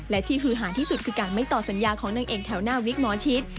และที่ฮือหาที่สุดคือการไม่ต่อสัญญาของนางเอกแถวหน้าวิกหมอชิต